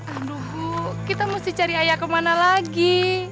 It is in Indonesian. aduh bu kita mesti cari ayah kemana lagi